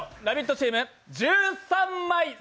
チーム１３枚。